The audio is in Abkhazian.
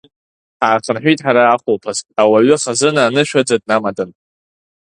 Ҳаахынҳәит ҳара ахәылԥаз, ауаҩы хазына анышәаӡа днамадан…